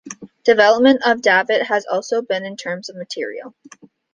Development of the davit has also been in terms of material.